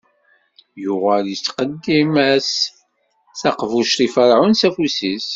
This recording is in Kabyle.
Yuɣal ittqeddim-as taqbuct i Ferɛun s afus-is.